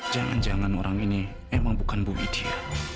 jangan jangan orang ini emang bukan bu widya